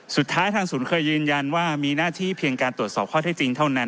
สุดท้ายทางศูนย์เคยยืนยันว่ามีหน้าที่เพียงการตรวจสอบข้อเท็จจริงเท่านั้น